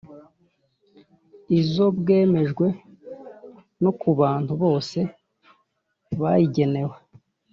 Izo bwemejwe no ku bantu bose bayigenewe